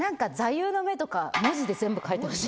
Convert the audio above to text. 文字で全部書いてほしい。